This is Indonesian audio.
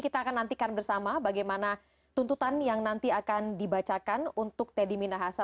kita akan nantikan bersama bagaimana tuntutan yang nanti akan dibacakan untuk teddy minahasa